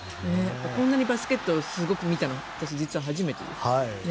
こんなにバスケットをすごく見たの私、実は初めてです。